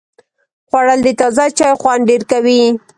خوړل د تازه چای خوند ډېر کوي